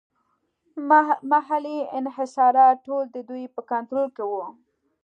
محلي انحصارات ټول د دوی په کنټرول کې وو.